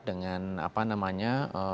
dengan apa namanya